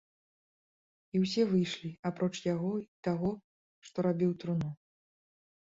І ўсе выйшлі, апроч яго і таго, што рабіў труну.